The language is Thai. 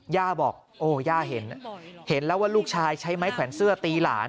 ย่าบอกโอ้ย่าเห็นเห็นแล้วว่าลูกชายใช้ไม้แขวนเสื้อตีหลาน